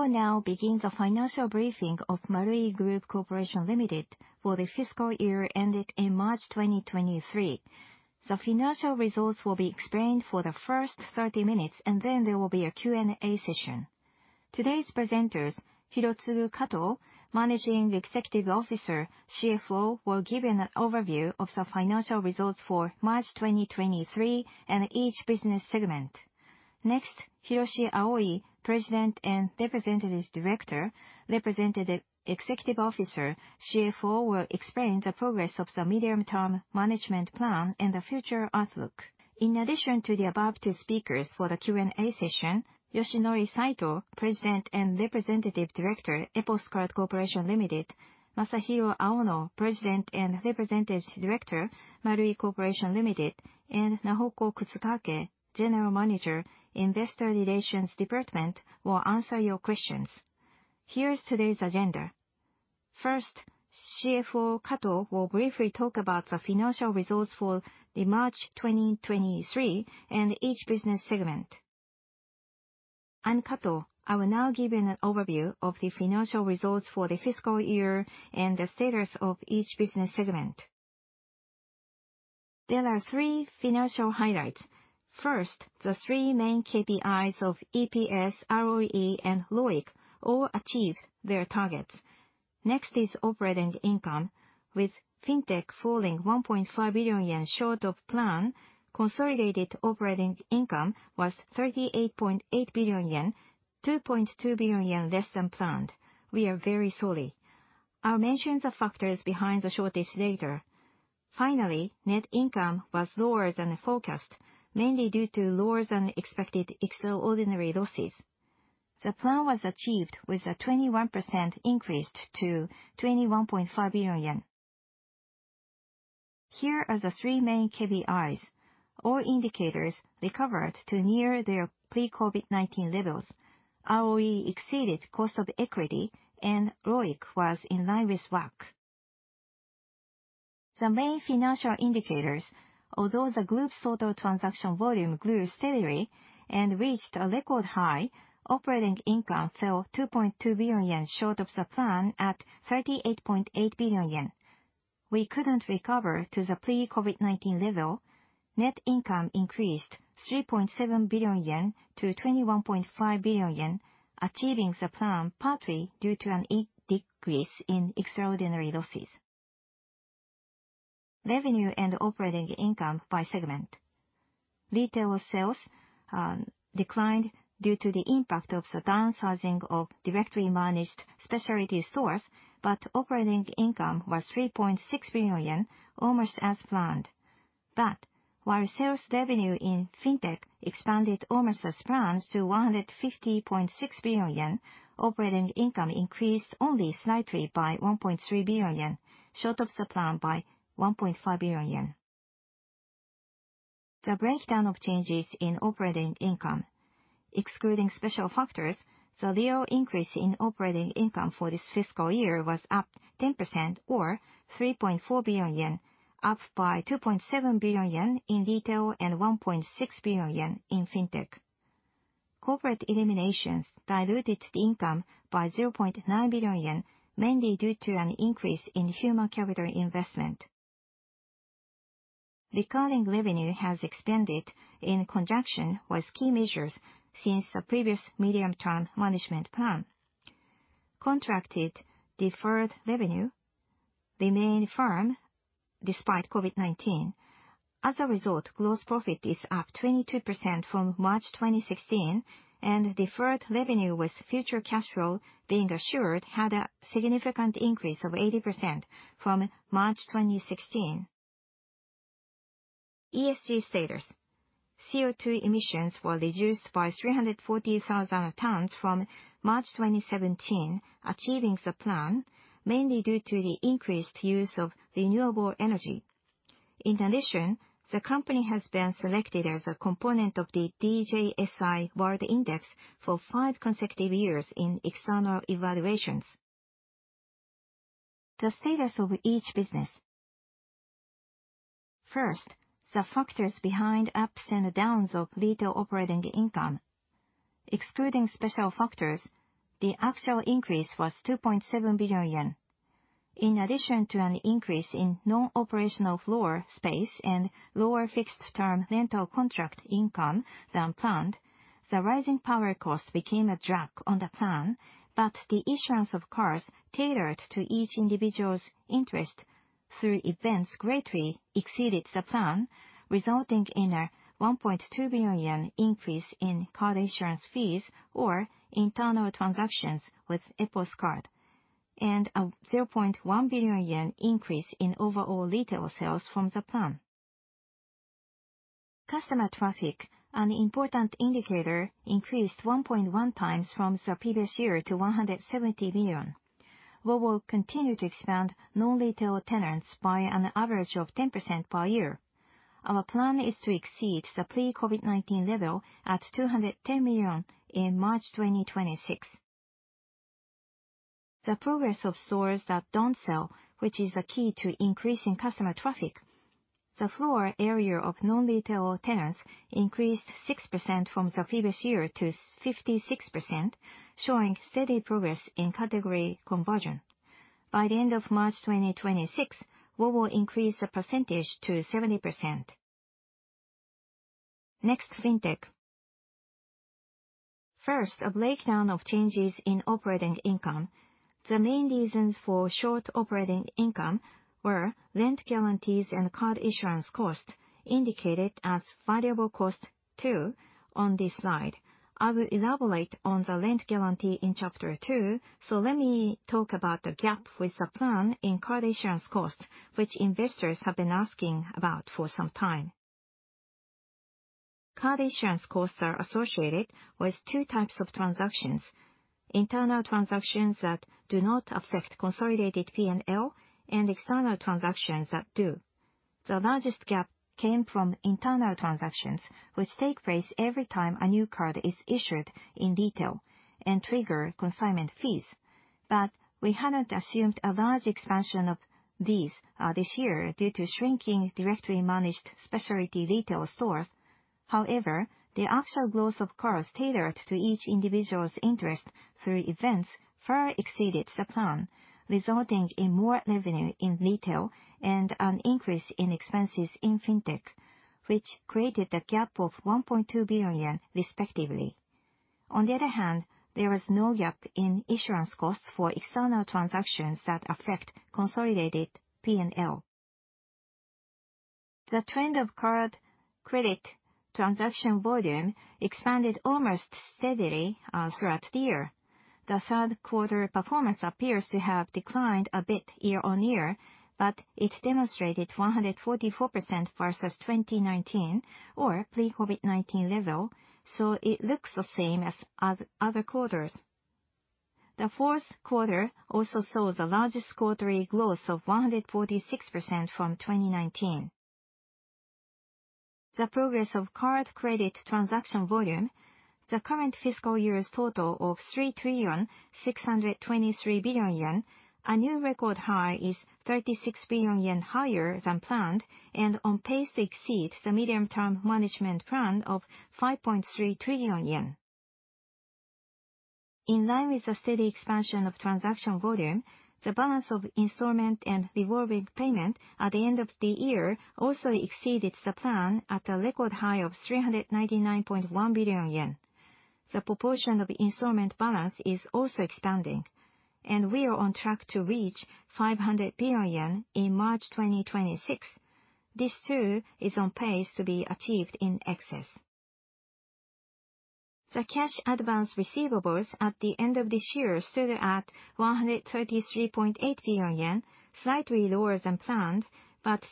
We will now begin the financial briefing of MARUI GROUP CO., LTD. for the fiscal year ended in March 2023. The financial results will be explained for the first 30 minutes, and then there will be a Q&A session. Today's presenters, Hirotsugu Kato, Managing Executive Officer, CFO, will give an overview of the financial results for March 2023 and each business segment. Next, Hiroshi Aoi, President and Representative Director, Representative Executive Officer, CEO, will explain the progress of the medium-term management plan and the future outlook. In addition to the above two speakers for the Q&A session, Yoshinori Saito, President and Representative Director, Epos Card Co., Ltd., Masahiro Aono, President and Representative Director, MARUI CO., LTD., and Nahoko Kutsukake, General Manager, Investor Relations Department, will answer your questions. Here is today's agenda. First, CFO Kato will briefly talk about the financial results for March 2023 and each business segment. I'm Kato. I will now give an overview of the financial results for the fiscal year and the status of each business segment. There are three financial highlights. First, the three main KPIs of EPS, ROE, and ROIC all achieved their targets. Next is operating income. With FinTech falling 1.5 billion yen short of plan, consolidated operating income was 38.8 billion yen, 2.2 billion yen less than planned. We are very sorry. I'll mention the factors behind the shortage later. Finally, net income was lower than forecast, mainly due to lower than expected extraordinary losses. The plan was achieved with a 21% increase to 21.5 billion yen. Here are the three main KPIs. All indicators recovered to near their pre-COVID-19 levels. ROE exceeded cost of equity, and ROIC was in line with WACC. The main financial indicators, although the group's total transaction volume grew steadily and reached a record high, operating income fell 2.2 billion yen short of the plan at 38.8 billion yen. We couldn't recover to the pre-COVID-19 level. Net income increased 3.7 billion yen to 21.5 billion yen, achieving the plan partly due to an decrease in extraordinary losses. Revenue and operating income by segment. Retail sales declined due to the impact of the downsizing of directly managed specialty stores, but operating income was 3.6 billion yen, almost as planned. While sales revenue in FinTech expanded almost as planned to 150.6 billion yen, operating income increased only slightly by 1.3 billion yen, short of the plan by 1.5 billion yen. The breakdown of changes in operating income. Excluding special factors, the real increase in operating income for this fiscal year was up 10% or 3.4 billion yen, up by 2.7 billion yen in retail and 1.6 billion yen in FinTech. Corporate eliminations diluted the income by 0.9 billion yen, mainly due to an increase in human capital investment. Recurring revenue has expanded in conjunction with key measures since the previous medium-term management plan. Contracted deferred revenue remained firm despite COVID-19. As a result, gross profit is up 22% from March 2016, and deferred revenue with future cash flow being assured had a significant increase of 80% from March 2016. ESG status. CO2 emissions were reduced by 340,000 tons from March 2017, achieving the plan mainly due to the increased use of renewable energy. In addition, the company has been selected as a component of the DJSI World Index for five consecutive years in external evaluations. The status of each business. First, the factors behind ups and downs of retail operating income. Excluding special factors, the actual increase was 2.7 billion yen. In addition to an increase in non-operational floor space and lower fixed-term rental contract income than planned, the rising power costs became a drag on the plan. The issuance of cards tailored to each individual's interest through events greatly exceeded the plan, resulting in a 1.2 billion yen increase in card issuance fees or internal transactions with EPOS Card, and a 0.1 billion yen increase in overall retail sales from the plan. Customer traffic, an important indicator, increased 1.1 times from the previous year to 170 million. We will continue to expand non-retail tenants by an average of 10% per year. Our plan is to exceed the pre-COVID-19 level at 210 million in March 2026. The progress of stores that don't sell, which is a key to increasing customer traffic. The floor area of non-retail tenants increased 6% from the previous year to 56%, showing steady progress in category conversion. By the end of March 2026, we will increase the percentage to 70%. Next, FinTech. First, a breakdown of changes in operating income. The main reasons for short operating income were rent guarantees and card issuance costs indicated as variable cost two on this slide. I will elaborate on the rent guarantee in chapter 2, so let me talk about the gap with the plan in card issuance costs, which investors have been asking about for some time. Card issuance costs are associated with two types of transactions, internal transactions that do not affect consolidated P&L and external transactions that do. The largest gap came from internal transactions, which take place every time a new card is issued in detail and trigger consignment fees. We haven't assumed a large expansion of these this year due to shrinking directly managed specialty retail stores. The actual growth of cards tailored to each individual's interest through events far exceeded the plan, resulting in more revenue in retail and an increase in expenses in FinTech, which created a gap of 1.2 billion yen respectively. There was no gap in issuance costs for external transactions that affect consolidated P&L. The trend of card credit transaction volume expanded almost steadily throughout the year. The third quarter performance appears to have declined a bit year-on-year, but it demonstrated 144% versus 2019 or pre-COVID-19 level, so it looks the same as other quarters. The fourth quarter also saw the largest quarterly growth of 146% from 2019. The progress of card credit transaction volume, the current fiscal year's total of 3,623 billion yen, a new record high, is 36 billion yen higher than planned and on pace to exceed the medium-term management plan of 5.3 trillion yen. In line with the steady expansion of transaction volume, the balance of installment and revolving payment at the end of the year also exceeded the plan at a record high of 399.1 billion yen. The proportion of installment balance is also expanding, and we are on track to reach 500 billion in March 2026. This too is on pace to be achieved in excess. The cash advance receivables at the end of this year stood at 133.8 billion yen, slightly lower than planned.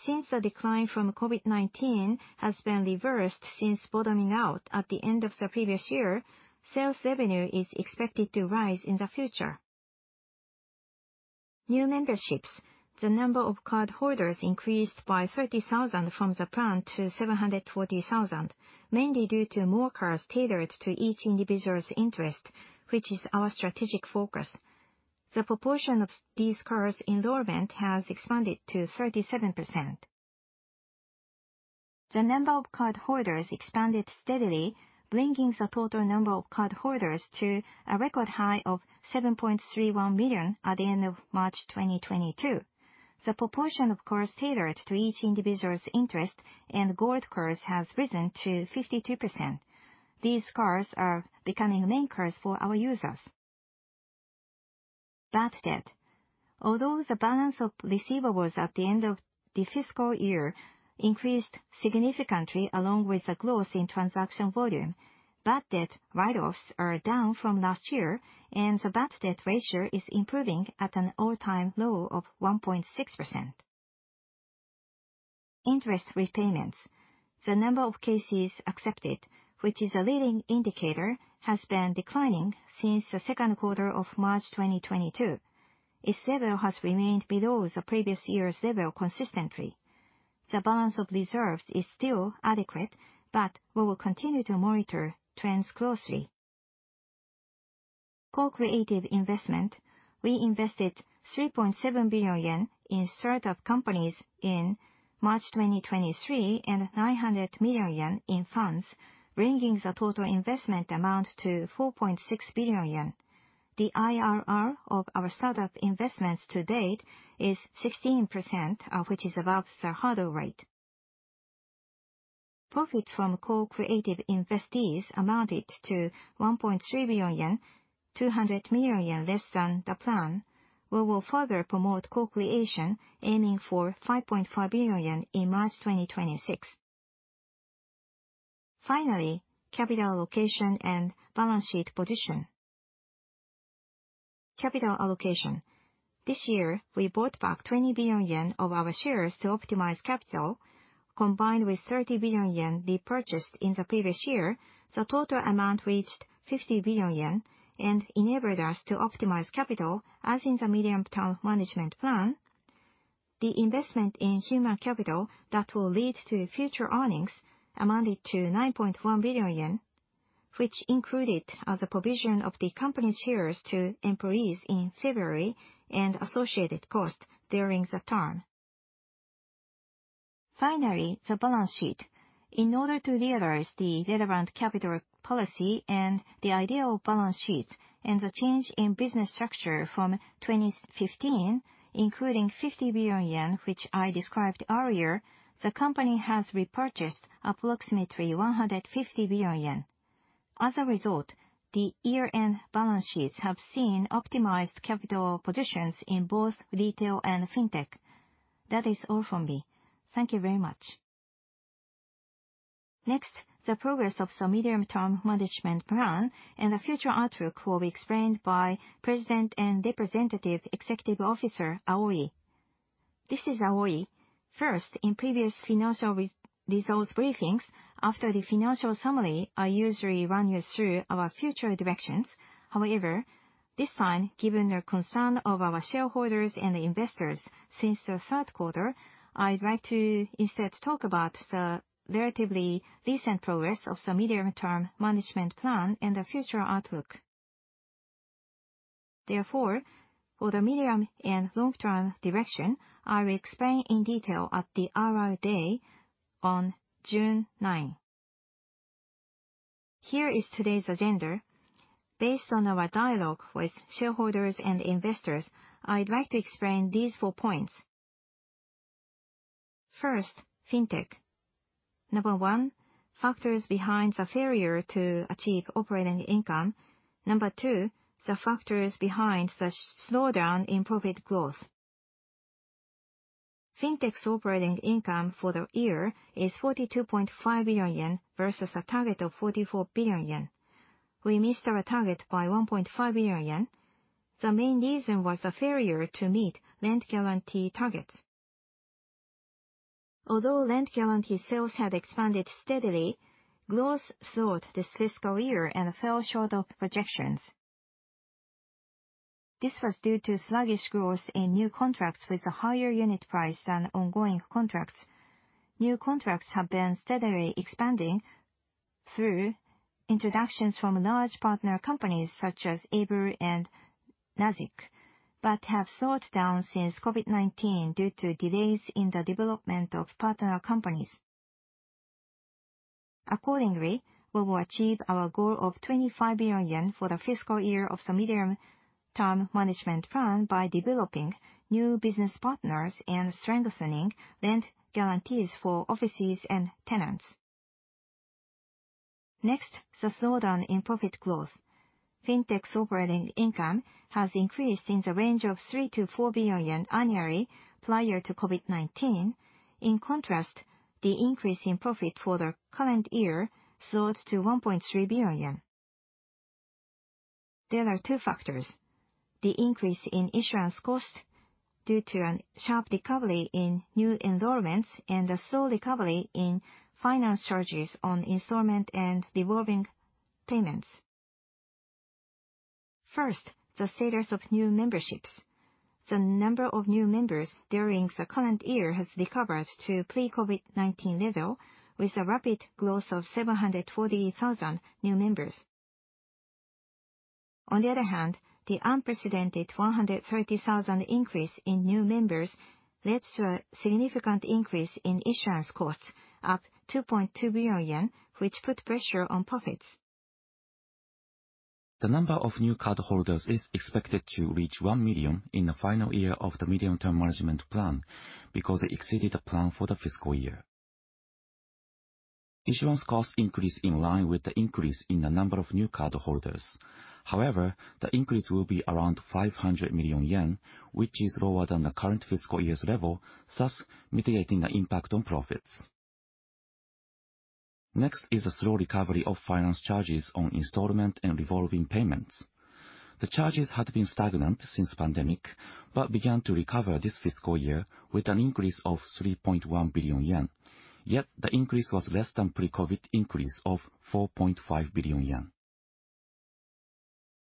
Since the decline from COVID-19 has been reversed since bottoming out at the end of the previous year, sales revenue is expected to rise in the future. New memberships. The number of cardholders increased by 30,000 from the plan to 740,000, mainly due to more cards tailored to each individual's interest, which is our strategic focus. The proportion of these cards enrollment has expanded to 37%. The number of cardholders expanded steadily, bringing the total number of cardholders to a record high of 7.31 million at the end of March 2022. The proportion of cards tailored to each individual's interest and Gold Cards has risen to 52%. These cards are becoming main cards for our users. Bad debt. The balance of receivables at the end of the fiscal year increased significantly along with the growth in transaction volume, bad debt write-offs are down from last year, and the bad debt ratio is improving at an all-time low of 1.6%. Interest repayments. The number of cases accepted, which is a leading indicator, has been declining since the second quarter of March 2022. Its level has remained below the previous year's level consistently. The balance of reserves is still adequate, but we will continue to monitor trends closely. Co-creative investment. We invested 3.7 billion yen in start-up companies in March 2023 and 900 million yen in funds, bringing the total investment amount to 4.6 billion yen. The IRR of our start-up investments to date is 16%, which is above the hurdle rate. Profit from co-creative investees amounted to 1.3 billion yen, 200 million yen less than the plan. We will further promote co-creation aiming for 5.5 billion yen in March 2026. Finally, capital allocation and balance sheet position. Capital allocation. This year, we bought back 20 billion yen of our shares to optimize capital. Combined with 30 billion yen repurchased in the previous year, the total amount reached 50 billion yen and enabled us to optimize capital as in the medium-term management plan. The investment in human capital that will lead to future earnings amounted to 9.1 billion yen, which included as a provision of the company shares to employees in February and associated costs during the term. Finally, the balance sheet. In order to realize the relevant capital policy and the ideal balance sheets and the change in business structure from 2015, including 50 billion yen, which I described earlier, the company has repurchased approximately 150 billion yen. As a result, the year-end balance sheets have seen optimized capital positions in both retail and FinTech. That is all from me. Thank you very much. The progress of the medium-term management plan and the future outlook will be explained by President and Representative Executive Officer Aoi. This is Aoi. In previous financial results briefings, after the financial summary, I usually run you through our future directions. This time, given the concern of our shareholders and investors since the third quarter, I'd like to instead talk about the relatively recent progress of the medium-term management plan and the future outlook. For the medium and long-term direction, I will explain in detail at the IR Day on June 9. Here is today's agenda. Based on our dialogue with shareholders and investors, I'd like to explain these four points. First, FinTech. Number one, factors behind the failure to achieve operating income. Number two, the factors behind the slowdown in profit growth. FinTech's operating income for the year is 42.5 billion yen versus a target of 44 billion yen. We missed our target by 1.5 billion yen. The main reason was the failure to meet rent guarantee targets. Although rent guarantee sales have expanded steadily, growth slowed this fiscal year and fell short of projections. This was due to sluggish growth in new contracts with a higher unit price than ongoing contracts. New contracts have been steadily expanding through introductions from large partner companies such as ABLE and LIXIL, but have slowed down since COVID-19 due to delays in the development of partner companies. Accordingly, we will achieve our goal of 25 billion yen for the fiscal year of the medium-term management plan by developing new business partners and strengthening rent guarantees for offices and tenants. Next, the slowdown in profit growth. FinTech's operating income has increased in the range of 3 billion-4 billion annually prior to COVID-19. In contrast, the increase in profit for the current year slowed to 1.3 billion yen. There are two factors. The increase in insurance costs due to a sharp recovery in new enrollments and a slow recovery in finance charges on installment and revolving payments. First, the status of new memberships. The number of new members during the current year has recovered to pre-COVID-19 level with a rapid growth of 740,000 new members. The unprecedented 130,000 increase in new members led to a significant increase in insurance costs, up 2.2 billion yen, which put pressure on profits. The number of new cardholders is expected to reach 1 million in the final year of the medium-term management plan because it exceeded the plan for the fiscal year. Insurance costs increase in line with the increase in the number of new cardholders. However, the increase will be around 500 million yen, which is lower than the current fiscal year's level, thus mitigating the impact on profits. Next is a slow recovery of finance charges on installment and revolving payments. The charges had been stagnant since pandemic, but began to recover this fiscal year with an increase of 3.1 billion yen. Yet the increase was less than pre-COVID increase of 4.5 billion yen.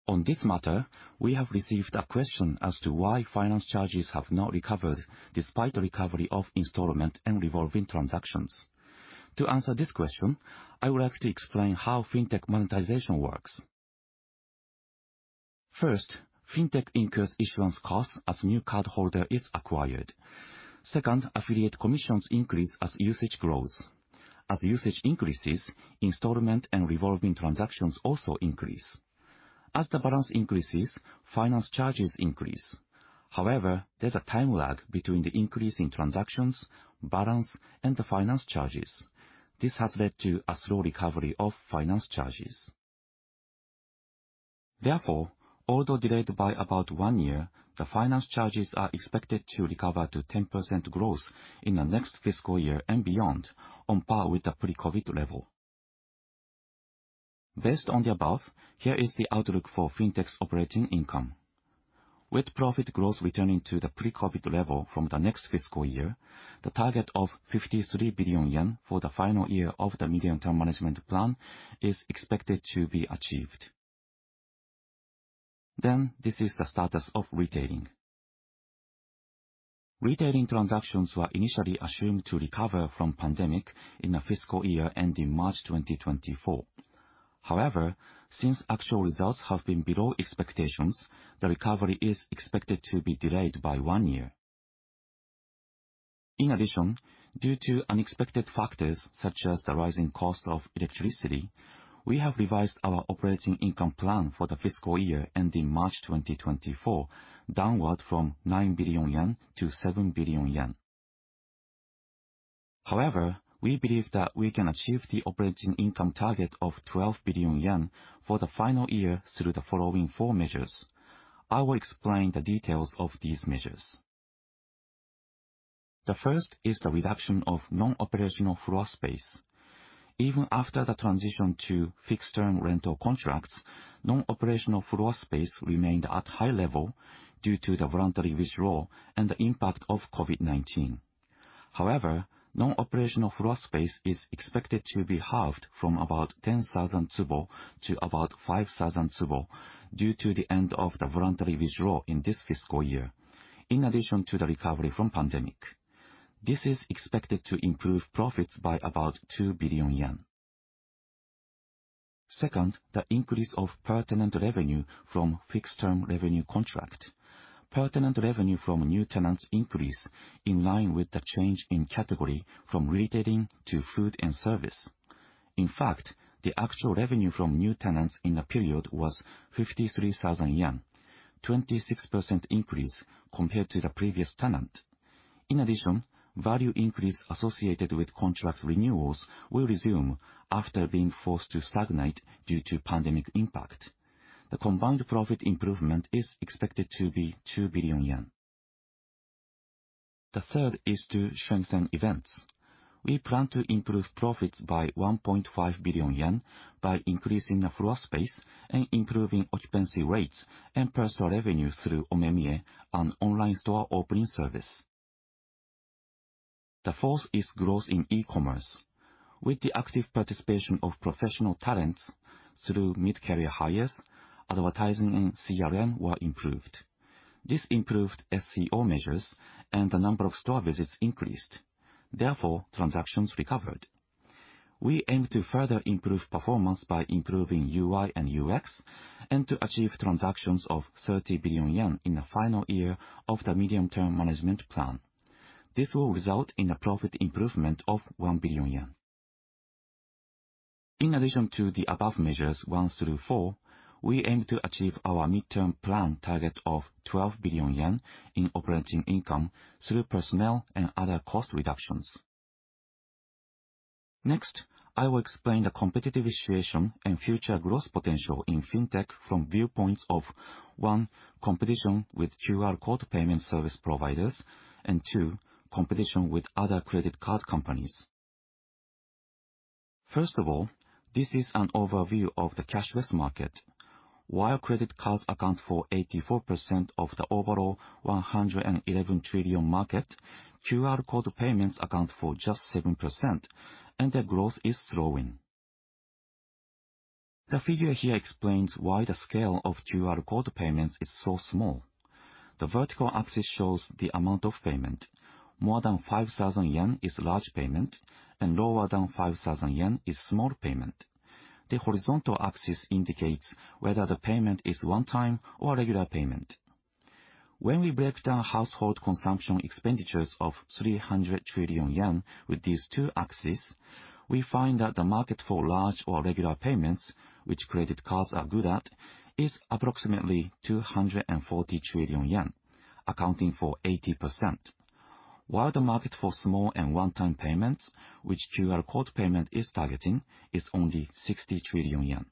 On this matter, we have received a question as to why finance charges have not recovered despite a recovery of installment and revolving transactions. To answer this question, I would like to explain how FinTech monetization works. First, FinTech incurs insurance costs as new cardholder is acquired. Second, affiliate commissions increase as usage grows. As usage increases, installment and revolving transactions also increase. As the balance increases, finance charges increase. However, there's a time lag between the increase in transactions, balance, and the finance charges. This has led to a slow recovery of finance charges. Therefore, although delayed by about one year, the finance charges are expected to recover to 10% growth in the next fiscal year and beyond on par with the pre-COVID-19 level. Based on the above, here is the outlook for FinTech's operating income. With profit growth returning to the pre-COVID-19 level from the next fiscal year, the target of 53 billion yen for the final year of the medium-term management plan is expected to be achieved. This is the status of retailing. Retailing transactions were initially assumed to recover from pandemic in the fiscal year ending March 2024. However, since actual results have been below expectations, the recovery is expected to be delayed by one year. In addition, due to unexpected factors such as the rising cost of electricity, we have revised our operating income plan for the fiscal year ending March 2024 downward from 9 billion yen to 7 billion yen. However, we believe that we can achieve the operating income target of 12 billion yen for the final year through the following four measures. I will explain the details of these measures. The first is the reduction of non-operational floor space. Even after the transition to fixed-term rental contracts, non-operational floor space remained at high level due to the voluntary withdrawal and the impact of COVID-19. However, non-operational floor space is expected to be halved from about 10,000 tsubo to about 5,000 tsubo due to the end of the voluntary withdrawal in this fiscal year. In addition to the recovery from pandemic, this is expected to improve profits by about 2 billion yen. Second, the increase of pertinent revenue from fixed-term revenue contract. Pertinent revenue from new tenants increase in line with the change in category from retailing to food and service. In fact, the actual revenue from new tenants in the period was 53,000 yen, 26% increase compared to the previous tenant. Value increase associated with contract renewals will resume after being forced to stagnate due to pandemic impact. The combined profit improvement is expected to be 2 billion yen. The third is to strengthen events. We plan to improve profits by 1.5 billion yen by increasing the floor space and improving occupancy rates and personal revenue through Omemiya and online store opening service. The fourth is growth in e-commerce. With the active participation of professional talents through mid-career hires, advertising and CRM were improved. This improved SEO measures and the number of store visits increased, therefore, transactions recovered. We aim to further improve performance by improving UI and UX and to achieve transactions of 30 billion yen in the final year of the medium-term management plan. This will result in a profit improvement of 1 billion yen. In addition to the above measures one through four, we aim to achieve our midterm plan target of 12 billion yen in operating income through personnel and other cost reductions. I will explain the competitive situation and future growth potential in FinTech from viewpoints of one, competition with QR Code payment service providers and 2, competition with other credit card companies. This is an overview of the cashless market. While credit cards account for 84% of the overall 111 trillion market, QR Code payments account for just 7% and their growth is slowing. The figure here explains why the scale of QR Code payments is so small. The vertical axis shows the amount of payment. More than 5,000 yen is large payment and lower than 5,000 yen is small payment. The horizontal axis indicates whether the payment is one time or regular payment. When we break down household consumption expenditures of 300 trillion yen with these two axes, we find that the market for large or regular payments, which credit cards are good at, is approximately 240 trillion yen, accounting for 80%. While the market for small and one-time payments, which QR Code payment is targeting, is only 60 trillion yen.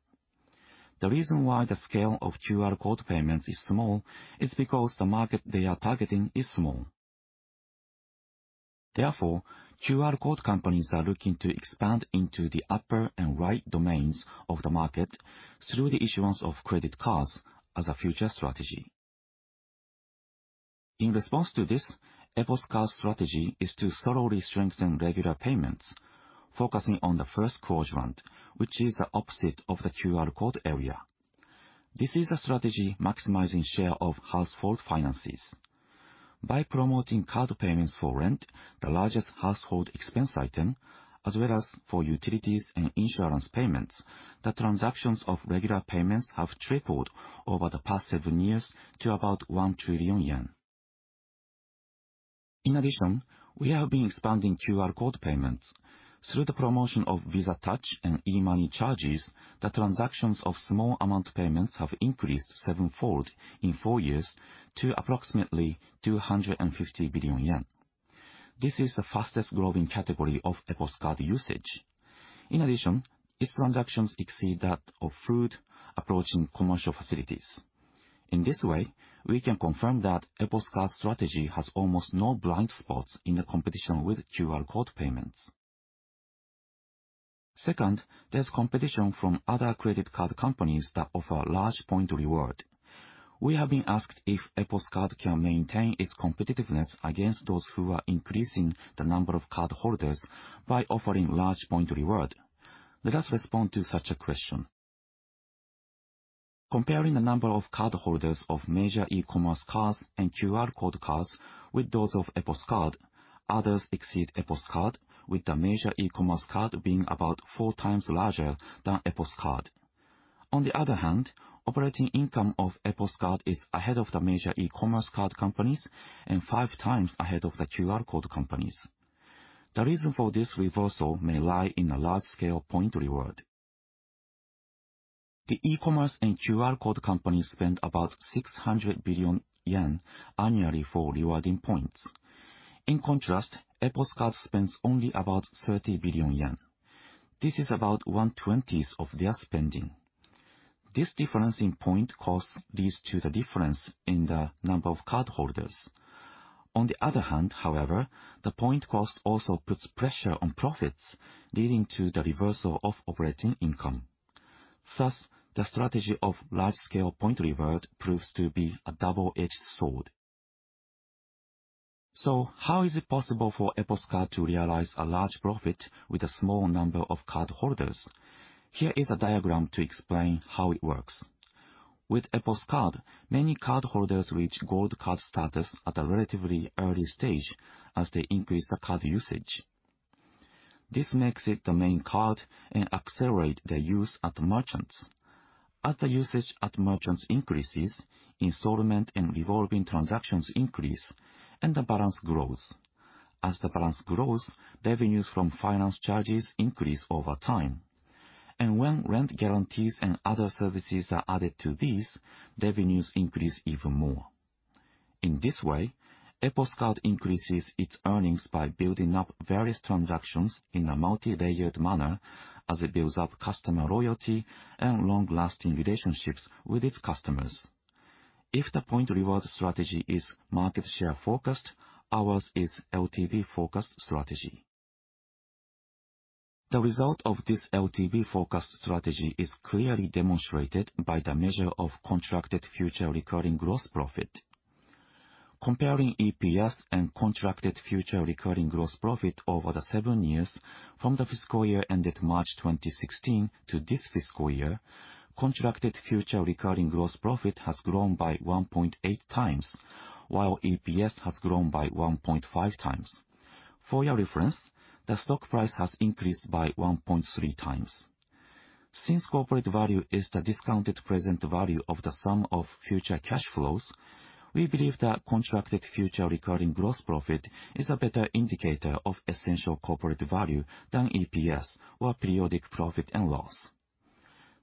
The reason why the scale of QR Code payments is small is because the market they are targeting is small. Therefore, QR Code companies are looking to expand into the upper and right domains of the market through the issuance of credit cards as a future strategy. In response to this, EPOS Card strategy is to thoroughly strengthen regular payments focusing on the first quadrant, which is the opposite of the QR Code area. This is a strategy maximizing share of household finances. By promoting card payments for rent, the largest household expense item, as well as for utilities and insurance payments, the transactions of regular payments have tripled over the past seven years to about 1 trillion yen. We have been expanding QR Code payments. Through the promotion of Visa Touch and e-money charges, the transactions of small amount payments have increased seven-fold in four years to approximately 250 billion yen. This is the fastest-growing category of EPOS Card usage. Its transactions exceed that of food approaching commercial facilities. In this way, we can confirm that EPOS Card strategy has almost no blind spots in the competition with QR Code payments. There's competition from other credit card companies that offer large point reward. We have been asked if EPOS Card can maintain its competitiveness against those who are increasing the number of cardholders by offering large point reward. Let us respond to such a question. Comparing the number of cardholders of major e-commerce cards and QR Code cards with those of EPOS Card, others exceed EPOS Card, with the major e-commerce card being about 4x larger than EPOS Card. On the other hand, operating income of EPOS Card is ahead of the major e-commerce card companies and 5x ahead of the QR Code companies. The reason for this reversal may lie in a large-scale point reward. The e-commerce and QR Code companies spend about 600 billion yen annually for rewarding points. In contrast, EPOS Card spends only about 30 billion yen. This is about 1/20 of their spending. This difference in point cost leads to the difference in the number of cardholders. On the other hand, however, the point cost also puts pressure on profits, leading to the reversal of operating income. Thus, the strategy of large-scale point reward proves to be a double-edged sword. How is it possible for EPOS Card to realize a large profit with a small number of cardholders? Here is a diagram to explain how it works. With EPOS Card, many cardholders reach Gold Card status at a relatively early stage as they increase the card usage. This makes it the main card and accelerate their use at merchants. As the usage at merchants increases, installment and revolving transactions increase, and the balance grows. As the balance grows, revenues from finance charges increase over time. When rent guarantees and other services are added to these, revenues increase even more. In this way, EPOS Card increases its earnings by building up various transactions in a multilayered manner as it builds up customer loyalty and long-lasting relationships with its customers. If the point reward strategy is market share-focused, ours is LTV-focused strategy. The result of this LTV-focused strategy is clearly demonstrated by the measure of contracted future recurring gross profit. Comparing EPS and contracted future recurring gross profit over the seven years from the fiscal year ended March 2016 to this fiscal year, contracted future recurring gross profit has grown by 1.8x, while EPS has grown by 1.5x. For your reference, the stock price has increased by 1.3x. Since corporate value is the discounted present value of the sum of future cash flows, we believe that contracted future recurring gross profit is a better indicator of essential corporate value than EPS or periodic profit and loss.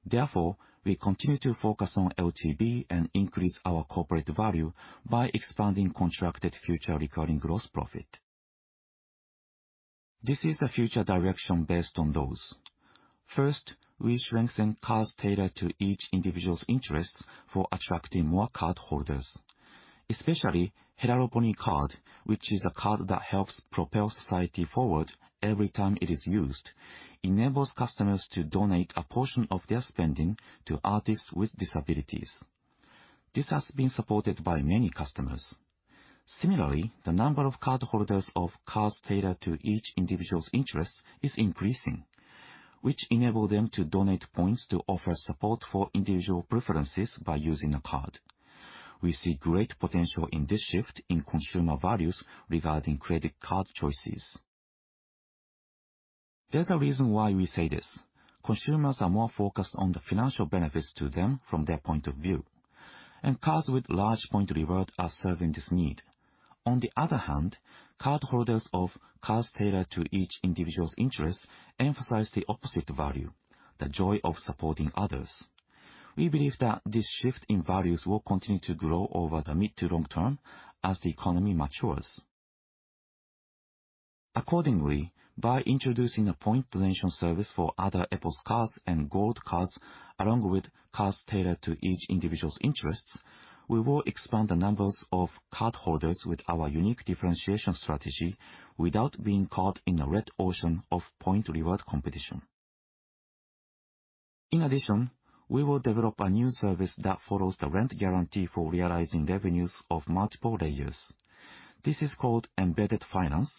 Therefore, we continue to focus on LTV and increase our corporate value by expanding contracted future recurring gross profit. This is the future direction based on those. First, we strengthen cards tailored to each individual's interests for attracting more cardholders. Especially, HERALBONY Card, which is a card that helps propel society forward every time it is used, enables customers to donate a portion of their spending to artists with disabilities. This has been supported by many customers. Similarly, the number of cardholders of cards tailored to each individual's interests is increasing, which enable them to donate points to offer support for individual preferences by using a card. We see great potential in this shift in consumer values regarding credit card choices. There's a reason why we say this. Consumers are more focused on the financial benefits to them from their point of view. Cards with large point reward are serving this need. On the other hand, cardholders of cards tailored to each individual's interests emphasize the opposite value, the joy of supporting others. We believe that this shift in values will continue to grow over the mid to long term as the economy matures. Accordingly, by introducing a point donation service for other EPOS Cards and Gold Cards, along with cards tailored to each individual's interests, we will expand the numbers of cardholders with our unique differentiation strategy without being caught in a red ocean of point reward competition. We will develop a new service that follows the rent guarantee for realizing revenues of multiple layers. This is called embedded finance,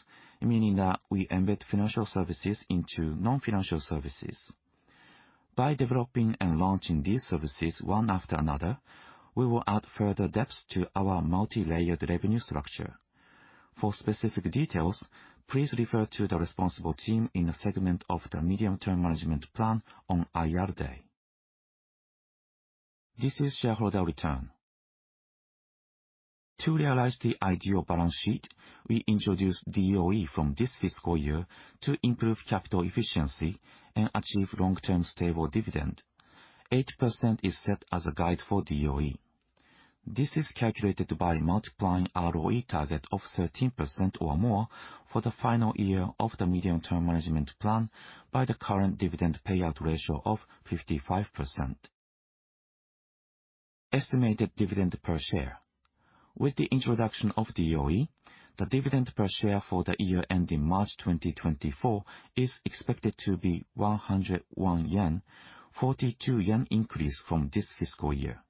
meaning that we embed financial services into non-financial services. By developing and launching these services one after another, we will add further depth to our multilayered revenue structure. For specific details, please refer to the responsible team in the segment of the medium-term management plan on IR Day. This is shareholder return. To realize the ideal balance sheet, we introduced DOE from this fiscal year to improve capital efficiency and achieve long-term stable dividend. 8% is set as a guide for DOE. This is calculated by multiplying ROE target of 13% or more for the final year of the medium-term management plan by the current dividend payout ratio of 55%. Estimated dividend per share. With the introduction of DOE, the dividend per share for the year ending March 2024 is expected to be 101 yen, 42 yen increase from this fiscal year.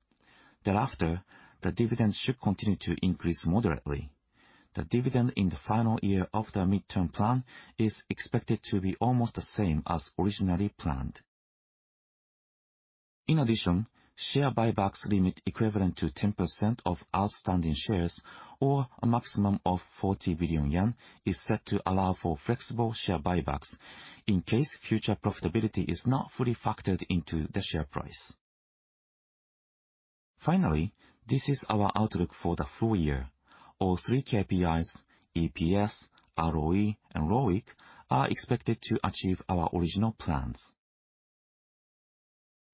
Thereafter, the dividend should continue to increase moderately. The dividend in the final year of the midterm plan is expected to be almost the same as originally planned. In addition, share buybacks limit equivalent to 10% of outstanding shares, or a maximum of 40 billion yen, is set to allow for flexible share buybacks in case future profitability is not fully factored into the share price. Finally, this is our outlook for the full year. All three KPIs, EPS, ROE and ROIC, are expected to achieve our original plans.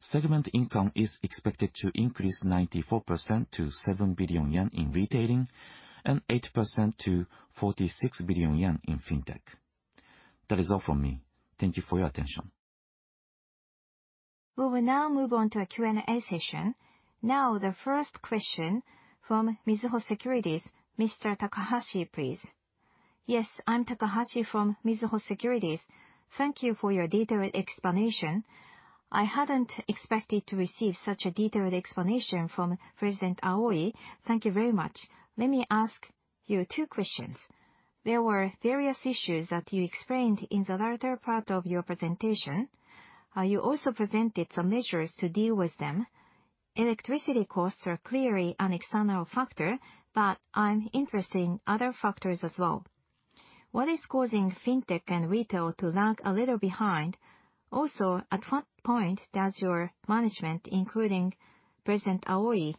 Segment income is expected to increase 94% to 7 billion yen in retailing, and 8% to 46 billion yen in FinTech. That is all from me. Thank you for your attention. We will now move on to a Q&A session. Now, the first question from Mizuho Securities, Mr. Takahashi, please. Yes, I'm Takahashi from Mizuho Securities. Thank you for your detailed explanation. I hadn't expected to receive such a detailed explanation from President Aoi. Thank you very much. Let me ask you two questions. There were various issues that you explained in the latter part of your presentation. You also presented some measures to deal with them. Electricity costs are clearly an external factor, but I'm interested in other factors as well. What is causing FinTech and retail to lag a little behind? At what point does your management, including President Aoi,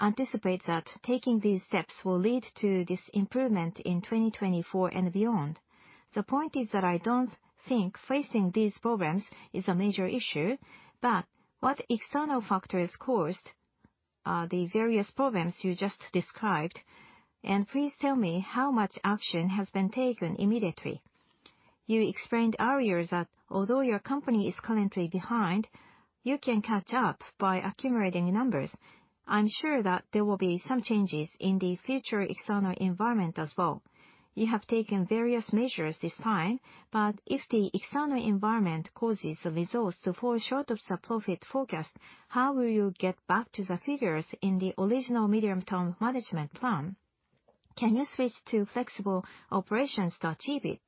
anticipate that taking these steps will lead to this improvement in 2024 and beyond? The point is that I don't think facing these problems is a major issue, but what external factors caused the various problems you just described, and please tell me how much action has been taken immediately. You explained earlier that although your company is currently behind, you can catch up by accumulating numbers. I'm sure that there will be some changes in the future external environment as well. If the external environment causes the results to fall short of the profit forecast, how will you get back to the figures in the original medium-term management plan? Can you switch to flexible operations to achieve it?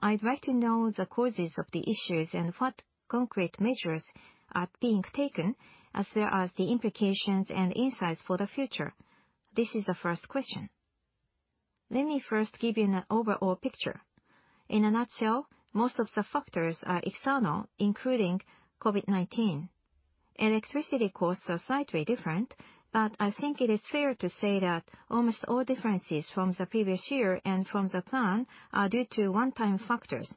I'd like to know the causes of the issues and what concrete measures are being taken, as well as the implications and insights for the future. This is the first question. Let me first give you an overall picture. In a nutshell, most of the factors are external, including COVID-19. Electricity costs are slightly different, but I think it is fair to say that almost all differences from the previous year and from the plan are due to one-time factors.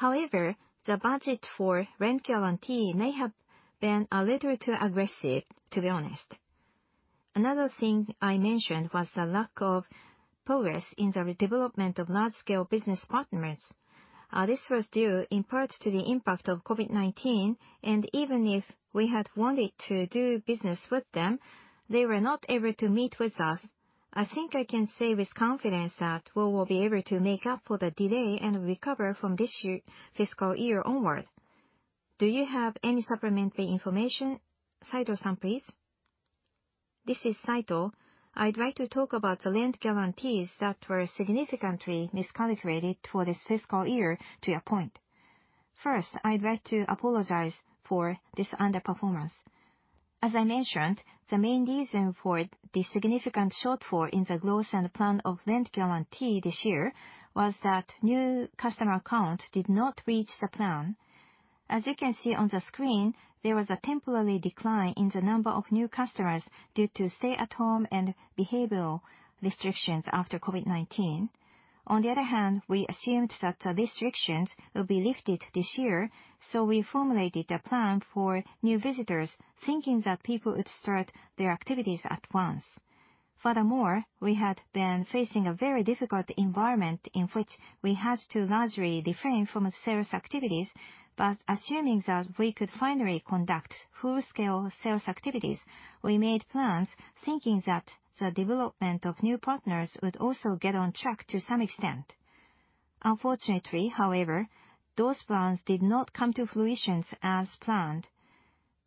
The budget for rent guarantee may have been a little too aggressive, to be honest. Another thing I mentioned was the lack of progress in the redevelopment of large-scale business partners. This was due in part to the impact of COVID-19, and even if we had wanted to do business with them, they were not able to meet with us. I think I can say with confidence that we will be able to make up for the delay and recover from this year, fiscal year onward. Do you have any supplementary information, Saito-san, please? This is Saito. I'd like to talk about the rent guarantees that were significantly miscalculated for this fiscal year to your point. First, I'd like to apologize for this underperformance. As I mentioned, the main reason for the significant shortfall in the growth and plan of rent guarantee this year was that new customer count did not reach the plan. As you can see on the screen, there was a temporary decline in the number of new customers due to stay-at-home and behavioral restrictions after COVID-19. On the other hand, we assumed that the restrictions would be lifted this year, so we formulated a plan for new visitors thinking that people would start their activities at once. Furthermore, we had been facing a very difficult environment in which we had to largely refrain from sales activities. Assuming that we could finally conduct full-scale sales activities, we made plans thinking that the development of new partners would also get on track to some extent. Unfortunately, however, those plans did not come to fruition as planned.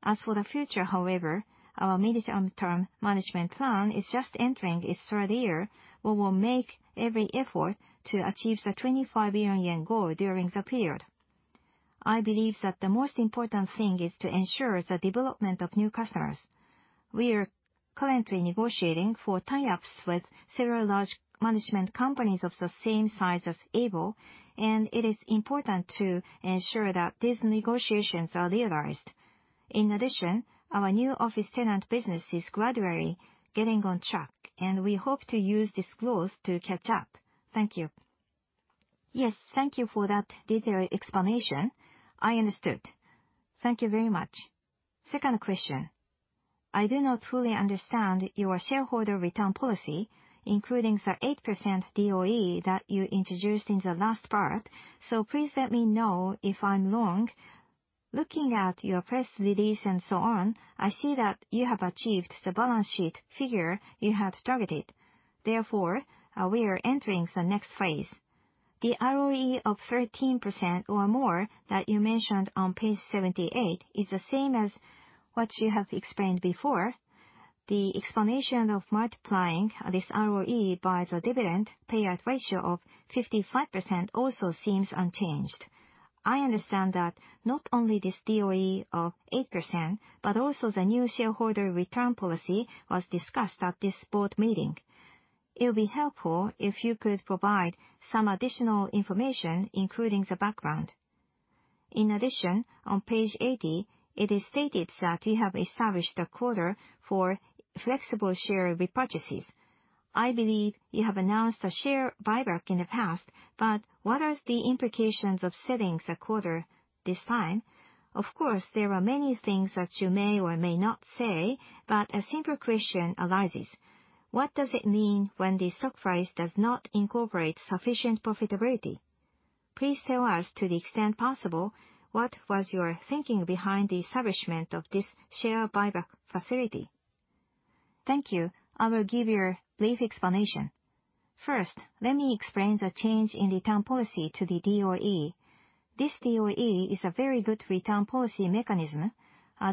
As for the future, however, our medium-term management plan is just entering its third year. We will make every effort to achieve the 25 billion yen goal during the period. I believe that the most important thing is to ensure the development of new customers. We are currently negotiating for tie-ups with several large management companies of the same size as ABLE, and it is important to ensure that these negotiations are realized. In addition, our new office tenant business is gradually getting on track, and we hope to use this growth to catch up. Thank you. Yes. Thank you for that detailed explanation. I understood. Thank you very much. Second question. I do not fully understand your shareholder return policy, including the 8% DOE that you introduced in the last part, so please let me know if I'm wrong. Looking at your press release and so on, I see that you have achieved the balance sheet figure you had targeted. We are entering the next phase. The ROE of 13% or more that you mentioned on Page 78 is the same as what you have explained before. The explanation of multiplying this ROE by the dividend payout ratio of 55% also seems unchanged. I understand that not only this DOE of 8%, but also the new shareholder return policy was discussed at this board meeting. It'll be helpful if you could provide some additional information, including the background. In addition, on Page 80, it is stated that you have established a quarter for flexible share repurchases. I believe you have announced a share buyback in the past, but what are the implications of setting the quarter this time? Of course, there are many things that you may or may not say, A simple question arises. What does it mean when the stock price does not incorporate sufficient profitability? Please tell us to the extent possible what was your thinking behind the establishment of this share buyback facility. Thank you. I will give you a brief explanation. First, let me explain the change in return policy to the DOE. This DOE is a very good return policy mechanism.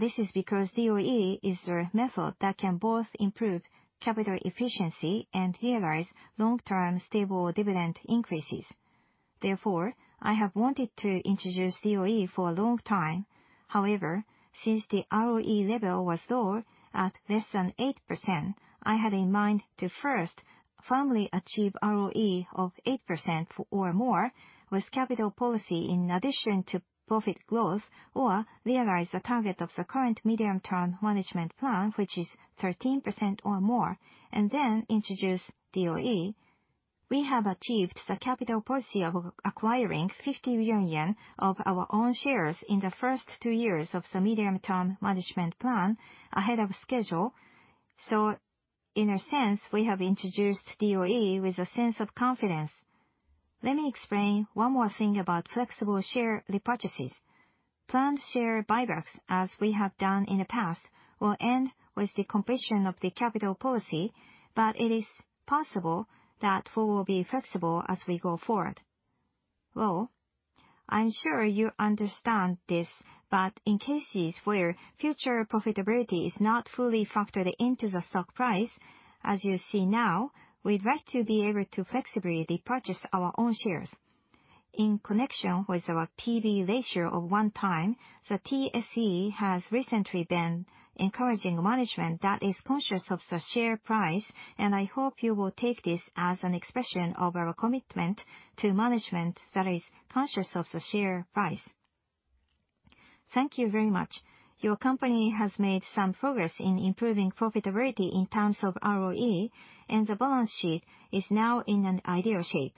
This is because DOE is the method that can both improve capital efficiency and realize long-term stable dividend increases. Therefore, I have wanted to introduce DOE for a long time. Since the ROE level was low at less than 8%, I had in mind to first firmly achieve ROE of 8% or more with capital policy in addition to profit growth, or realize the target of the current medium-term management plan, which is 13% or more, then introduce DOE. We have achieved the capital policy of acquiring 50 billion yen of our own shares in the first two years of the medium-term management plan ahead of schedule. In a sense, we have introduced DOE with a sense of confidence. Let me explain one more thing about flexible share repurchases. Planned share buybacks, as we have done in the past, will end with the completion of the capital policy, but it is possible that we will be flexible as we go forward. Well, I'm sure you understand this, but in cases where future profitability is not fully factored into the stock price, as you see now, we'd like to be able to flexibly repurchase our own shares. In connection with our P/B ratio of 1x, the TSE has recently been encouraging management that is conscious of the share price, and I hope you will take this as an expression of our commitment to management that is conscious of the share price. Thank you very much. Your company has made some progress in improving profitability in terms of ROE, and the balance sheet is now in an ideal shape.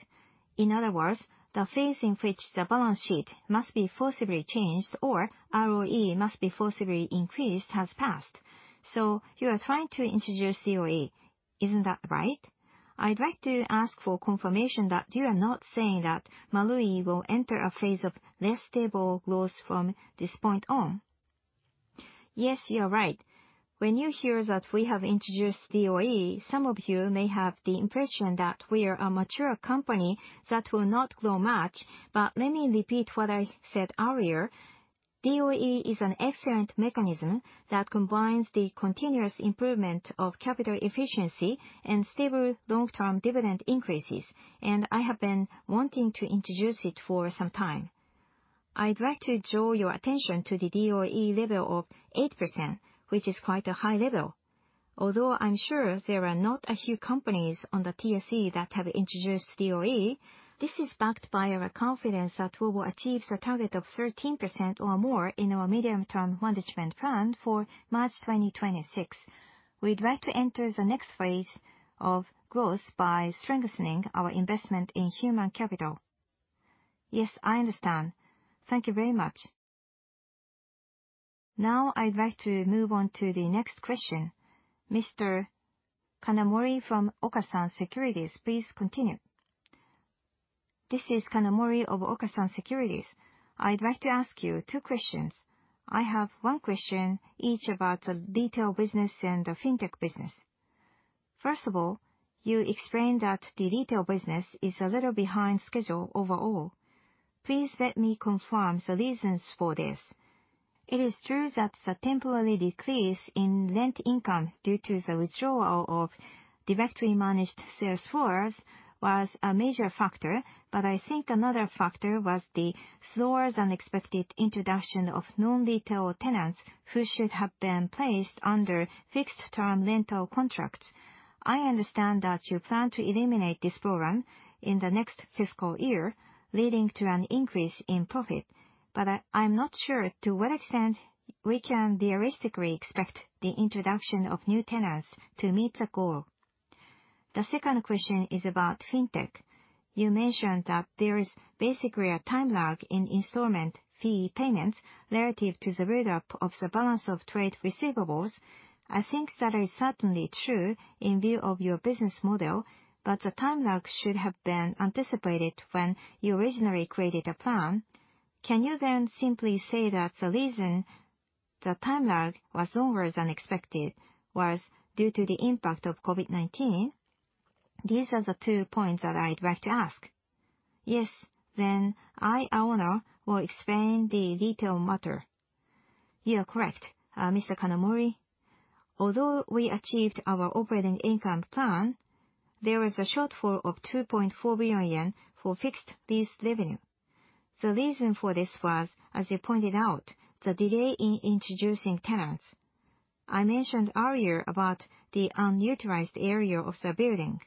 In other words, the phase in which the balance sheet must be forcibly changed or ROE must be forcibly increased has passed. You are trying to introduce DOE. Isn't that right? I'd like to ask for confirmation that you are not saying that Marui will enter a phase of less stable growth from this point on. Yes, you are right. When you hear that we have introduced DOE, some of you may have the impression that we are a mature company that will not grow much. Let me repeat what I said earlier. DOE is an excellent mechanism that combines the continuous improvement of capital efficiency and stable long-term dividend increases, and I have been wanting to introduce it for some time. I'd like to draw your attention to the DOE level of 8%, which is quite a high level. Although I'm sure there are not a few companies on the TSE that have introduced DOE, this is backed by our confidence that we will achieve the target of 13% or more in our medium-term management plan for March 2026. We'd like to enter the next phase of growth by strengthening our investment in human capital. Yes, I understand. Thank you very much. Now I'd like to move on to the next question. Mr. Kanamori from Okasan Securities, please continue. This is Kanamori of Okasan Securities. I'd like to ask you two questions. I have one question each about the retail business and the FinTech business. First of all, you explained that the retail business is a little behind schedule overall. Please let me confirm the reasons for this. It is true that the temporary decrease in rent income due to the withdrawal of directly managed sales floors was a major factor, but I think another factor was the slower than expected introduction of non-retail tenants who should have been placed under fixed-term rental contracts. I understand that you plan to eliminate this program in the next fiscal year, leading to an increase in profit, but I'm not sure to what extent we can realistically expect the introduction of new tenants to meet the goal. The second question is about FinTech. You mentioned that there is basically a time lag in installment fee payments relative to the build-up of the balance of trade receivables. I think that is certainly true in view of your business model, but the time lag should have been anticipated when you originally created the plan. Can you simply say that the time lag was longer than expected was due to the impact of COVID-19? These are the two points that I'd like to ask. Yes. I, Aono, will explain the detailed matter. You are correct, Mr. Kanamori. Although we achieved our operating income plan, there was a shortfall of 2.4 billion yen for fixed lease revenue. The reason for this was, as you pointed out, the delay in introducing tenants. I mentioned earlier about the unutilized area of the building.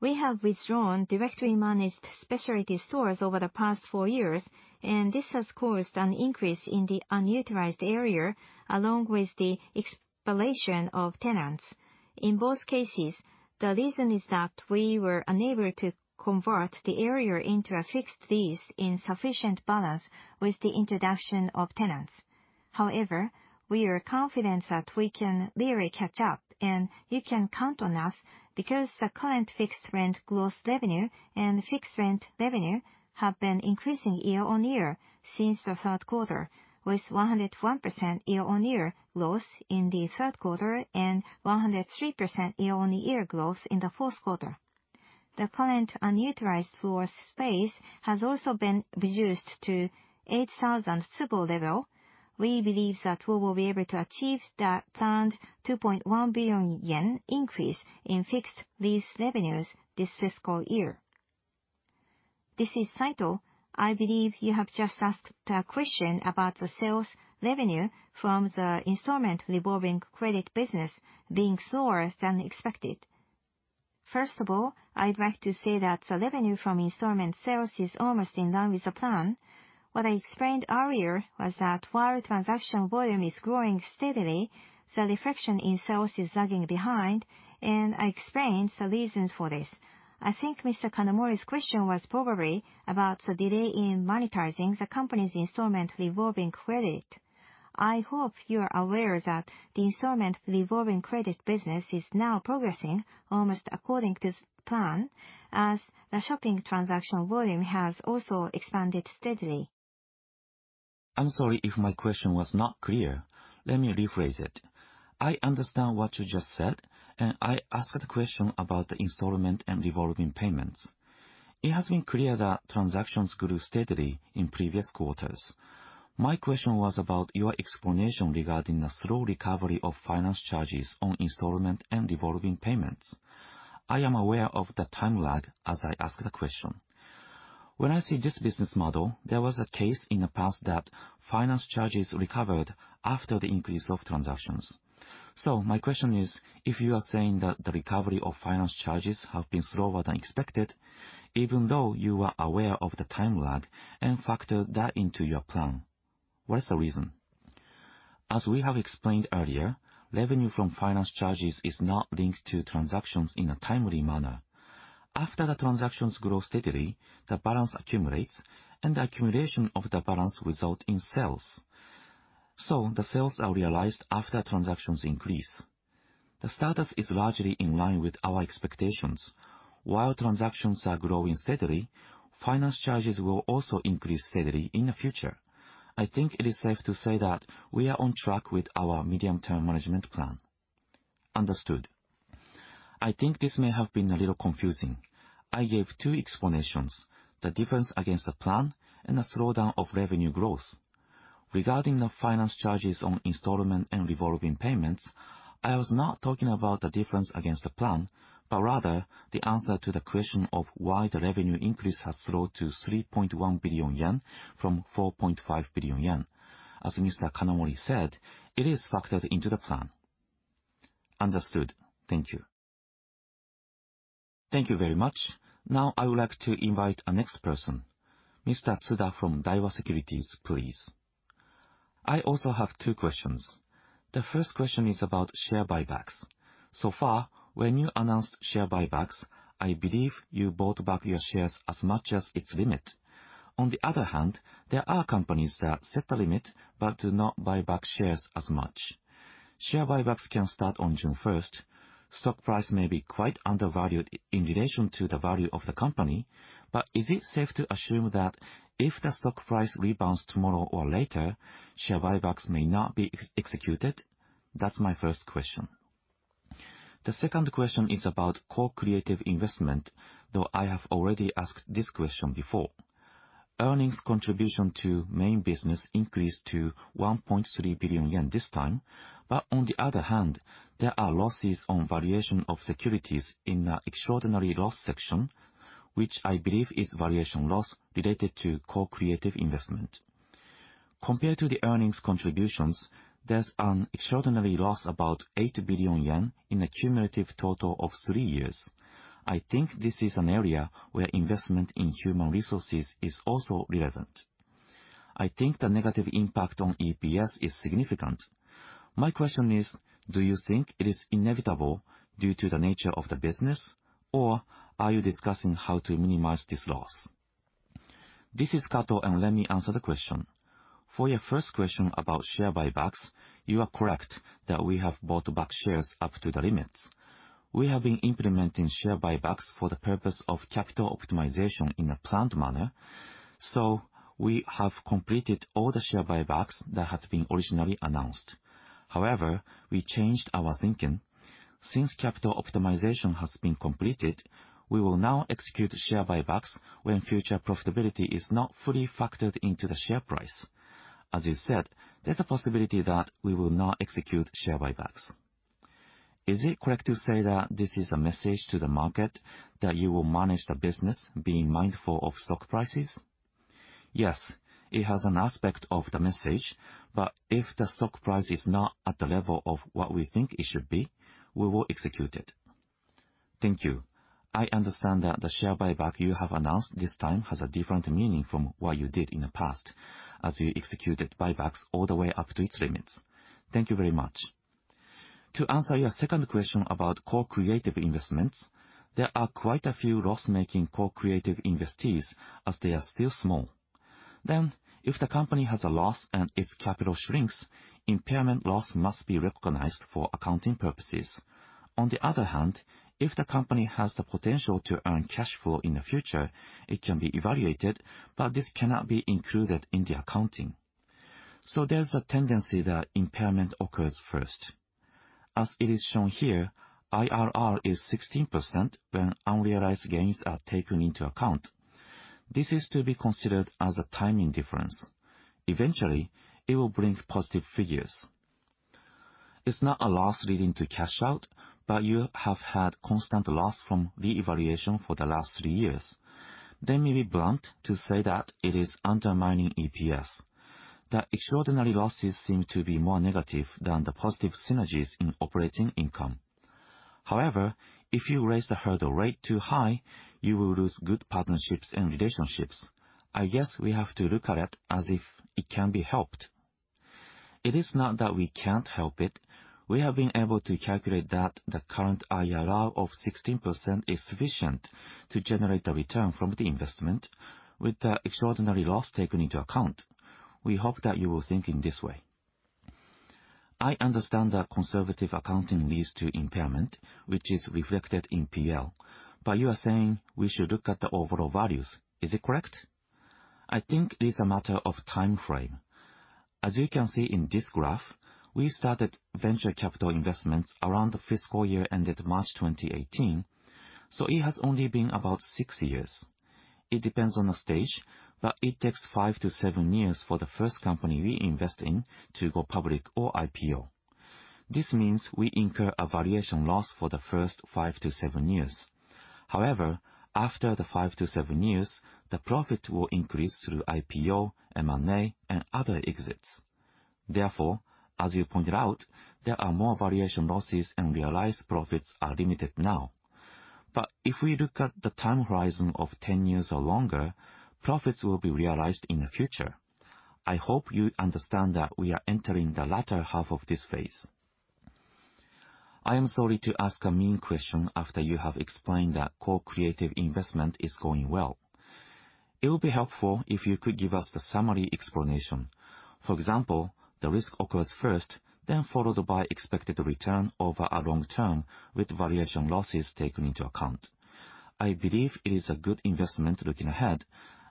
We have withdrawn directory managed specialty stores over the past four years, and this has caused an increase in the unutilized area, along with the expiration of tenants. In both cases, the reason is that we were unable to convert the area into a fixed lease in sufficient balance with the introduction of tenants. However, we are confident that we can really catch up, and you can count on us because the current fixed rent growth revenue and fixed rent revenue have been increasing year-over-year since the third quarter, with 101% year-over-year growth in the third quarter and 103% year-over-year growth in the fourth quarter. The current unutilized floor space has also been reduced to 8,000 tsubo level. We believe that we will be able to achieve the planned 2.1 billion yen increase in fixed lease revenues this fiscal year. This is Saito. I believe you have just asked a question about the sales revenue from the installment revolving credit business being slower than expected. First of all, I'd like to say that the revenue from installment sales is almost in line with the plan. What I explained earlier was that while transaction volume is growing steadily, the reflection in sales is lagging behind, and I explained the reasons for this. I think Mr. Kanamori's question was probably about the delay in monetizing the company's installment revolving credit. I hope you are aware that the installment revolving credit business is now progressing almost according to plan, as the shopping transaction volume has also expanded steadily. I'm sorry if my question was not clear. Let me rephrase it. I understand what you just said. I asked a question about the installment and revolving payments. It has been clear that transactions grew steadily in previous quarters. My question was about your explanation regarding the slow recovery of finance charges on installment and revolving payments. I am aware of the time lag as I ask the question. When I see this business model, there was a case in the past that finance charges recovered after the increase of transactions. My question is, if you are saying that the recovery of finance charges have been slower than expected, even though you are aware of the time lag and factored that into your plan, what is the reason? As we have explained earlier, revenue from finance charges is not linked to transactions in a timely manner. After the transactions grow steadily, the balance accumulates, and the accumulation of the balance result in sales. The sales are realized after transactions increase. The status is largely in line with our expectations. While transactions are growing steadily, finance charges will also increase steadily in the future. I think it is safe to say that we are on track with our medium-term management plan. Understood. I think this may have been a little confusing. I gave two explanations, the difference against the plan and the slowdown of revenue growth. Regarding the finance charges on installment and revolving payments, I was not talking about the difference against the plan, but rather the answer to the question of why the revenue increase has slowed to 3.1 billion yen from 4.5 billion yen. As Mr. Kanamori said, it is factored into the plan. Understood. Thank you. Thank you very much. I would like to invite the next person, Mr. Tsuda from Daiwa Securities, please. I also have two questions. The first question is about share buybacks. When you announced share buybacks, I believe you bought back your shares as much as its limit. On the other hand, there are companies that set a limit but do not buy back shares as much. Share buybacks can start on June 1st. Stock price may be quite undervalued in relation to the value of the company. Is it safe to assume that if the stock price rebounds tomorrow or later, share buybacks may not be ex-executed? That's my first question. The second question is about co-creative investment, though I have already asked this question before. Earnings contribution to main business increased to 1.3 billion yen this time. On the other hand, there are losses on valuation of securities in the extraordinary loss section, which I believe is valuation loss related to co-creative investment. Compared to the earnings contributions, there's an extraordinary loss about 8 billion yen in a cumulative total of three years. I think this is an area where investment in human resources is also relevant. I think the negative impact on EPS is significant. My question is, do you think it is inevitable due to the nature of the business, or are you discussing how to minimize this loss? This is Kato, and let me answer the question. For your first question about share buybacks, you are correct that we have bought back shares up to the limits. We have been implementing share buybacks for the purpose of capital optimization in a planned manner. We have completed all the share buybacks that had been originally announced. However, we changed our thinking. Since capital optimization has been completed, we will now execute share buybacks when future profitability is not fully factored into the share price. As you said, there's a possibility that we will not execute share buybacks. Is it correct to say that this is a message to the market that you will manage the business being mindful of stock prices? Yes, it has an aspect of the message, but if the stock price is not at the level of what we think it should be, we will execute it. Thank you. I understand that the share buyback you have announced this time has a different meaning from what you did in the past as you executed buybacks all the way up to its limits. Thank you very much. To answer your second question about co-creative investments, there are quite a few loss-making co-creative investees as they are still small. If the company has a loss and its capital shrinks, impairment loss must be recognized for accounting purposes. On the other hand, if the company has the potential to earn cash flow in the future, it can be evaluated, but this cannot be included in the accounting. There's a tendency that impairment occurs first. As it is shown here, IRR is 16% when unrealized gains are taken into account. This is to be considered as a timing difference. Eventually, it will bring positive figures. It's not a loss leading to cash out, but you have had constant loss from reevaluation for the last three years. They may be blunt to say that it is undermining EPS. The extraordinary losses seem to be more negative than the positive synergies in operating income. However, if you raise the hurdle rate too high, you will lose good partnerships and relationships. I guess we have to look at it as if it can be helped. It is not that we can't help it. We have been able to calculate that the current IRR of 16% is sufficient to generate a return from the investment with the extraordinary loss taken into account. We hope that you will think in this way. I understand that conservative accounting leads to impairment, which is reflected in P&L, but you are saying we should look at the overall values. Is it correct? I think it is a matter of time frame. As you can see in this graph, we started venture capital investments around the fiscal year ended March 2018, so it has only been about six years. It depends on the stage, but it takes five to seven years for the first company we invest in to go public or IPO. This means we incur a variation loss for the first five to seven years. After the five to seven years, the profit will increase through IPO, M&A, and other exits. As you pointed out, there are more variation losses and realized profits are limited now. If we look at the time horizon of 10 years or longer, profits will be realized in the future. I hope you understand that we are entering the latter half of this phase. I am sorry to ask a mean question after you have explained that co-creative investment is going well. It would be helpful if you could give us the summary explanation. For example, the risk occurs first, then followed by expected return over a long term with variation losses taken into account. I believe it is a good investment looking ahead,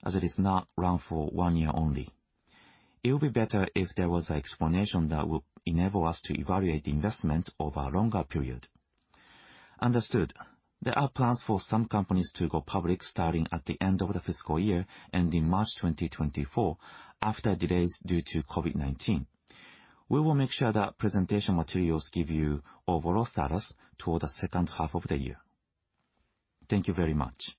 as it is not run for one year only. It would be better if there was an explanation that would enable us to evaluate the investment over a longer period. Understood. There are plans for some companies to go public starting at the end of the fiscal year, ending March 2024, after delays due to COVID-19. We will make sure that presentation materials give you overall status toward the second half of the year. Thank you very much.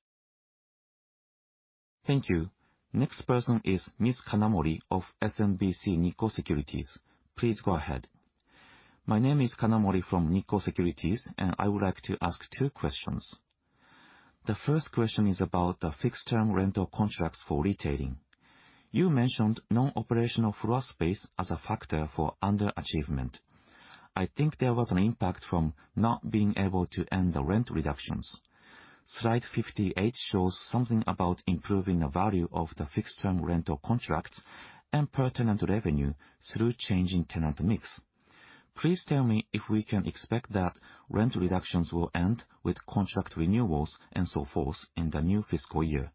Thank you. Next person is Ms. Kanamori of SMBC Nikko Securities. Please go ahead. My name is Kanamori from Nikko Securities, and I would like to ask two questions. The first question is about the fixed-term rental contracts for retailing. You mentioned non-operational floor space as a factor for underachievement. I think there was an impact from not being able to end the rent reductions. Slide 58 shows something about improving the value of the fixed-term rental contracts and per-tenant revenue through changing tenant mix. Please tell me if we can expect that rent reductions will end with contract renewals and so forth in the new fiscal year.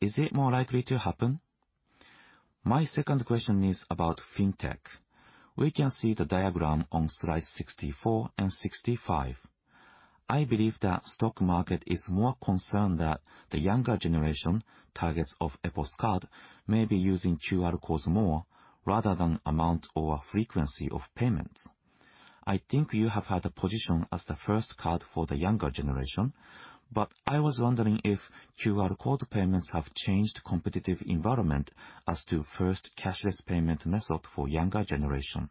Is it more likely to happen? My second question is about FinTech. We can see the diagram on Slide 64 and 65. I believe the stock market is more concerned that the younger generation, targets of EPOS Card, may be using QR Codes more rather than amount or frequency of payments. I think you have had a position as the first card for the younger generation. I was wondering if QR Code payments have changed competitive environment as to first cashless payment method for younger generation.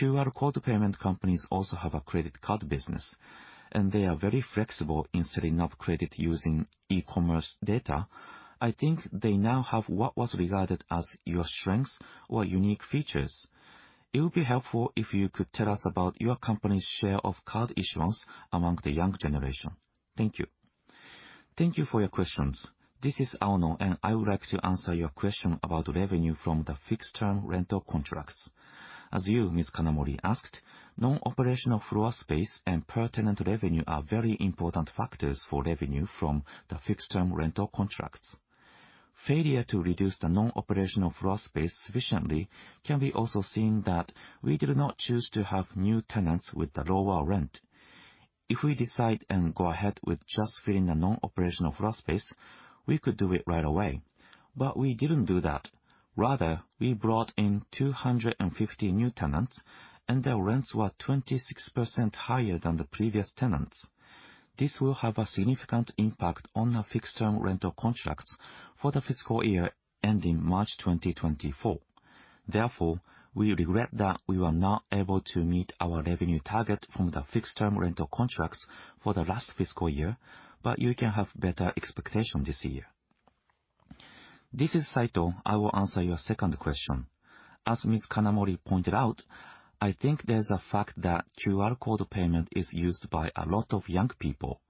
QR Code payment companies also have a credit card business. They are very flexible in setting up credit using e-commerce data. I think they now have what was regarded as your strengths or unique features. It would be helpful if you could tell us about your company's share of card issuance among the young generation. Thank you. Thank you for your questions. This is Aono, and I would like to answer your question about revenue from the fixed-term rental contracts. As you, Ms. Kanamori, asked, non-operational floor space and per-tenant revenue are very important factors for revenue from the fixed-term rental contracts. Failure to reduce the non-operational floor space sufficiently can be also seen that we did not choose to have new tenants with the lower rent. If we decide and go ahead with just filling the non-operational floor space, we could do it right away, but we didn't do that. Rather, we brought in 250 new tenants, and their rents were 26% higher than the previous tenants. This will have a significant impact on the fixed-term rental contracts for the fiscal year ending March 2024. Therefore, we regret that we were not able to meet our revenue target from the fixed-term rental contracts for the last fiscal year, but you can have better expectation this year. This is Saito. I will answer your second question. Kanamori pointed out, I think there's a fact that QR Code payment is used by a lot of young people.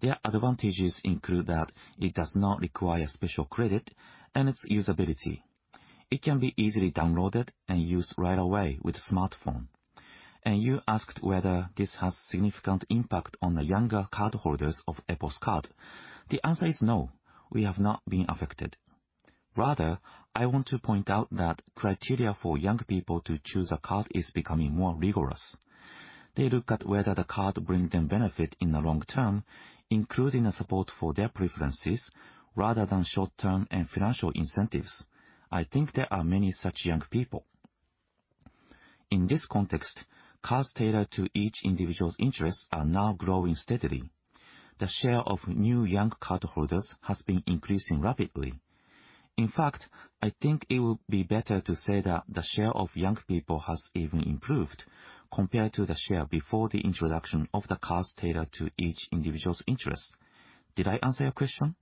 Their advantages include that it does not require special credit and its usability. It can be easily downloaded and used right away with a smartphone. You asked whether this has significant impact on the younger cardholders of EPOS Card. The answer is no. We have not been affected. Rather, I want to point out that criteria for young people to choose a card is becoming more rigorous. They look at whether the card bring them benefit in the long term, including the support for their preferences rather than short term and financial incentives. I think there are many such young people. In this context, cards tailored to each individual's interests are now growing steadily. The share of new young cardholders has been increasing rapidly. In fact, I think it would be better to say that the share of young people has even improved compared to the share before the introduction of the cards tailored to each individual's interests. Did I answer your question?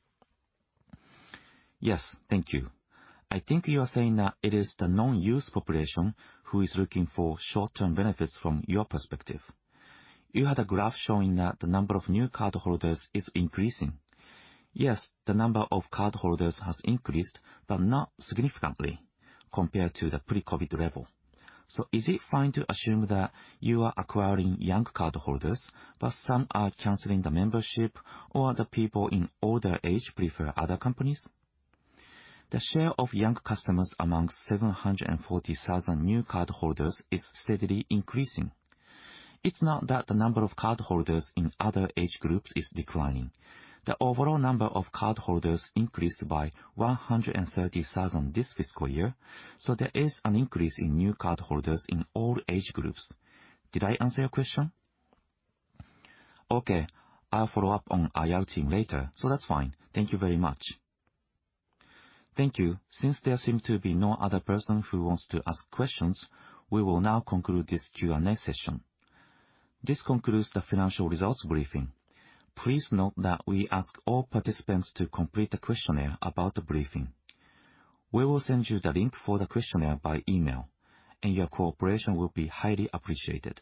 Yes. Thank you. I think you are saying that it is the non-use population who is looking for short-term benefits from your perspective. You had a graph showing that the number of new cardholders is increasing. Yes, the number of cardholders has increased, but not significantly compared to the pre-COVID-19 level. Is it fine to assume that you are acquiring young cardholders, but some are canceling the membership or the people in older age prefer other companies? The share of young customers among 740,000 new cardholders is steadily increasing. It's not that the number of cardholders in other age groups is declining. The overall number of cardholders increased by 130,000 this fiscal year, so there is an increase in new cardholders in all age groups. Did I answer your question? Okay, I'll follow up on our team later, so that's fine. Thank you very much. Thank you. Since there seem to be no other person who wants to ask questions, we will now conclude this Q&A session. This concludes the financial results briefing. Please note that we ask all participants to complete a questionnaire about the briefing. We will send you the link for the questionnaire by email, and your cooperation will be highly appreciated.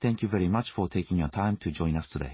Thank you very much for taking your time to join us today.